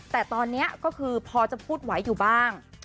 แต่ตอนนี้ก็คือพอจะพูดไหวอยู่บ้าง